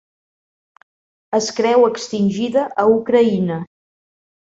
Es creu extingida a Ucraïna.